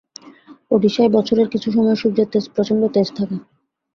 ওডিশায় বছরের কিছু সময় সূর্যের প্রচণ্ড তেজ থাকে।